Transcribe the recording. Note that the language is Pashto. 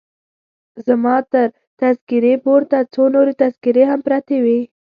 زما تر تذکیرې پورته څو نورې تذکیرې هم پرتې وې.